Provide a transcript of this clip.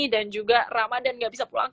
dan juga ramadhan nggak bisa pulang